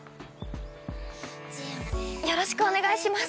よろしくお願いします！